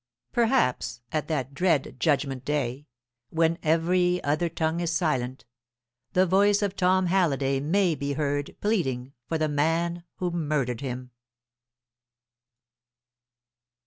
Perhaps at that dread Judgment Day, when every other tongue is silent, the voice of Tom Halliday may be heard pleading for the man who murdered him.